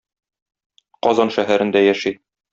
Казан шәһәрендә яши.